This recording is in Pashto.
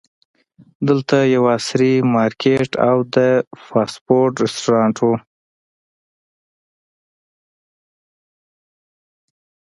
دلته یو عصري مارکیټ او د فاسټ فوډ رسټورانټ و.